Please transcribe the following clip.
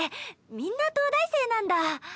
みんな東大生なんだ。